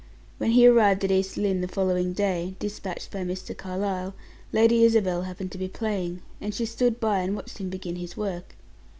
When he arrived at East Lynne, the following day, dispatched by Mr. Carlyle, Lady Isabel happened to be playing, and she stood by, and watched him begin his work.